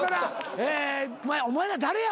お前ら誰や？